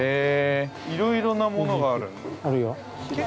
いろいろなものがある。